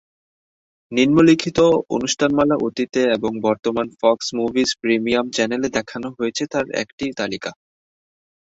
নিম্নলিখিত অনুষ্ঠানমালা অতীতে এবং বর্তমান ফক্স মুভিজ প্রিমিয়াম চ্যানেলে দেখানো হয়েছে তার একটি তালিকা।